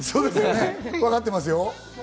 わかってますよ。